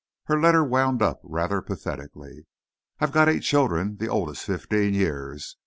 Her letter wound up rather pathetically: "I've got eight children, the oldest fifteen years.